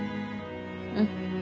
うん。